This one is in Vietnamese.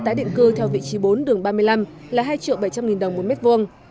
tại định cư theo vị trí bốn đường ba mươi năm là hai bảy trăm linh đồng mỗi mét vuông